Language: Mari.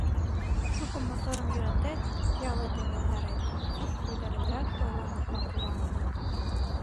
Шуко моторым йӧратет — пиалетым йомдарет, — койдаренрак ойла Марпа кува.